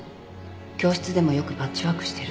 教室でもよくパッチワークしてる。